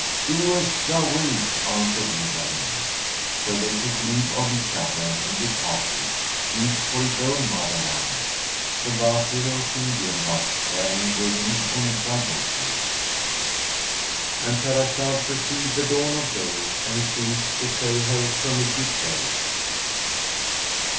"Do as thou wilt," answered Ibrahim. So they took leave of each other and departed, each for his own mother land, the Wazir of King Dirbas carrying with him Uns al Wujud,—And Shahrazad perceived the dawn of day and ceased to say her permitted say.